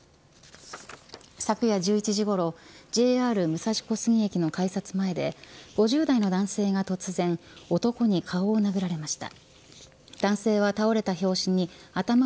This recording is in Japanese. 昨夜１１時ごろＪＲ武蔵小杉駅の改札前で５０代の男性が突然男に顔を殴られました。